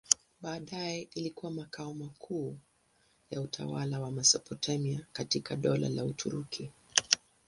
Baadaye ilikuwa makao makuu ya utawala wa Mesopotamia katika Dola la Uturuki.